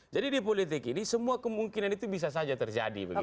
jadi di politik ini semua kemungkinan itu bisa saja terjadi begitu